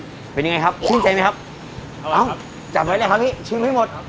เป็นยังไงครับชื่นใจไหมครับเอ้าจับไว้เลยครับพี่ชิมให้หมด